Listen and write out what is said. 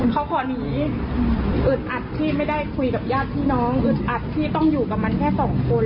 เขาขอหนีอึดอัดที่ไม่ได้คุยกับญาติพี่น้องอึดอัดที่ต้องอยู่กับมันแค่สองคน